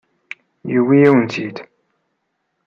Yewwi-yawen-tt-id.